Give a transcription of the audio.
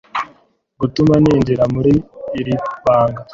gutuma ninjira muri iri banga